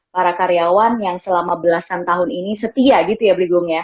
para karyawan yang selama belasan tahun ini setia gitu ya brigung ya